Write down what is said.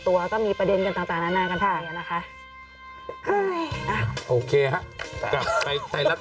หมดผีร่างไม้